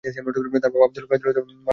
তার বাবা আবদুল কাদির ও মা ফাতেমা খাতুন।